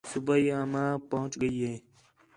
صُبیح آ ماں پُہچ ڳئی ہِے